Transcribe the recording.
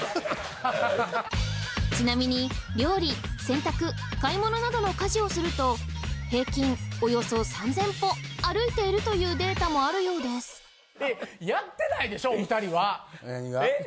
ちなみに料理洗濯買い物などの家事をすると平均およそ３０００歩歩いているというデータもあるようです何が？